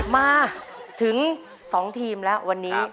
มาถึง๒ทีมแล้ววันนี้